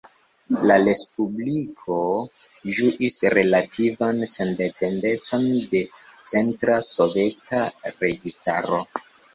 La respubliko ĝuis relativan sendependecon de centra Soveta registaro.